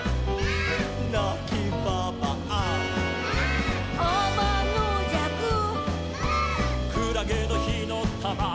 「なきばばあ」「」「あまのじゃく」「」「くらげのひのたま」「」